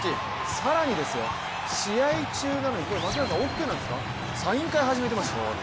更に、試合中なのに槙原さんこれオッケーなんですかサイン会始めてました。